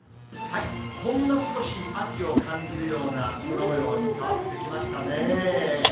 ほんの少し秋を感じるような空もように変わってきましたね。